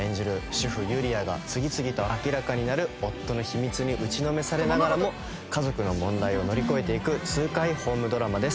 主婦ゆりあが次々と明らかになる夫の秘密に打ちのめされながらも家族の問題を乗り越えていく痛快ホームドラマです。